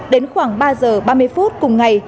đến khoảng ba giờ ba mươi phút cùng ngày